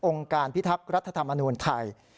การพิทักษ์รัฐธรรมนูญไทย